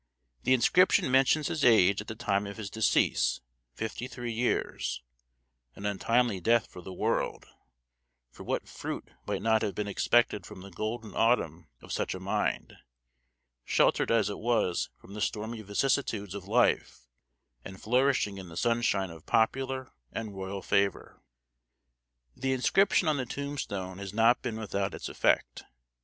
The inscription mentions his age at the time of his decease, fifty three years an untimely death for the world, for what fruit might not have been expected from the golden autumn of such a mind, sheltered as it was from the stormy vicissitudes of life, and flourishing in the sunshine of popular and royal favor? The inscription on the tombstone has not been without its effect.